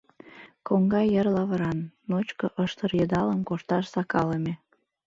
Коҥга йыр лавыран, ночко ыштыр-йыдалым кошташ сакалыме.